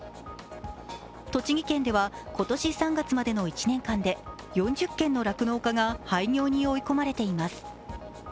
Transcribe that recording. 栃木県では今年３月までの１年間で４０軒の酪農家が廃業に追い込まれています。